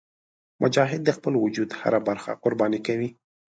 مجاهد د خپل وجود هره برخه قرباني کوي.